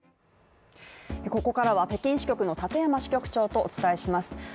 ここからは北京支局の立山支局長とお伝えします。